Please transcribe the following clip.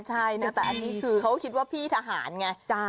แต่อันนี้คือเขาคิดว่าพี่ชะหารไง